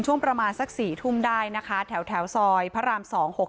ช่วงประมาณสัก๔ทุ่มได้นะคะแถวซอยพระราม๒๖๖